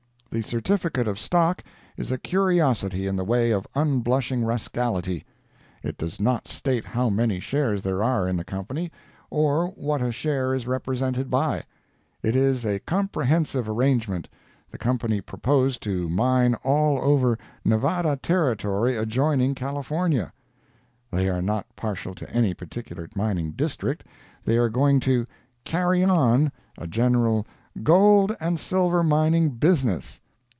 The certificate of stock is a curiosity in the way of unblushing rascality. It does not state how many shares there are in the company, or what a share is represented by. It is a comprehensive arrangement—the company propose to mine all over "Nevada Territory, adjoining California"! They are not partial to any particular mining district. They are going to "carry on" a general "gold and silver mining business"!